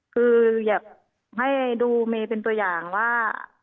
คืออยากให้ดูเมย์เป็นตัวอย่างว่า